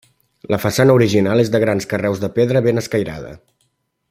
La façana original és de grans carreus de pedra ben escairada.